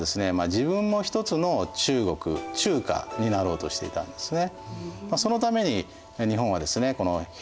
自分も一つの中国中華になろうとしていたんですね。